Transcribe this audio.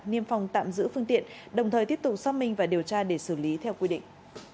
niêm phòng tạm giữ phương tiện đồng thời tiếp tục xác minh và điều tra để xử lý theo quy định